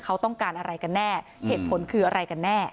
เขาต้องการอะไรกันแน่เหตุผลคืออะไรกันแน่